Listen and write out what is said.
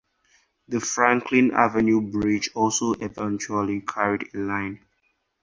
The Franklin Avenue Bridge also eventually carried a line.